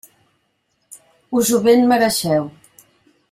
Us ho ben mereixeu.